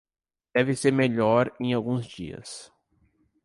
Deve ser melhor em alguns dias.